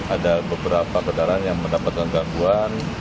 ada beberapa kendaraan yang mendapatkan gangguan